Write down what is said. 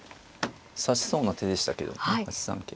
指しそうな手でしたけどね８三桂。